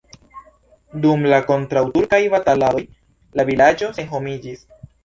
Dum la kontraŭturkaj bataladoj la vilaĝo senhomiĝis.